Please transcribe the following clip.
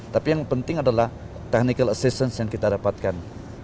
tapi yang penting adalah technical assistance yang kita dapatkan